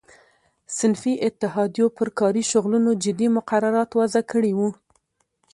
صنفي اتحادیو پر کاري شغلونو جدي مقررات وضع کړي وو.